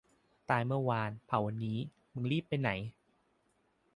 ตายเมื่อวาน เผาวันนี้ มึงรีบไปไหน